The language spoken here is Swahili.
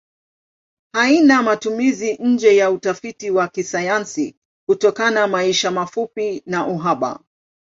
Haina matumizi nje ya utafiti wa kisayansi kutokana maisha mafupi na uhaba.